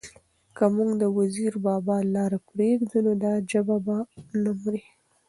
که موږ د وزیر بابا لاره پرېږدو؛ نو دا ژبه به نه مري،